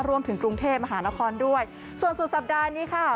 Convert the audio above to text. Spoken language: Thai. รวมถึงกรุงเทพมหานครด้วยส่วนสุดสัปดาห์นี้ค่ะ